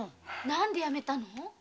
何でやめたの？